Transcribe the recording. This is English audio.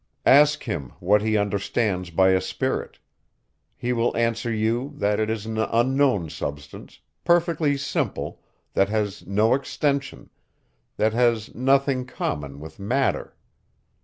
Ask him, what he understands by a spirit? He will answer you, that it is an unknown substance, perfectly simple, that has no extension, that has nothing common with matter.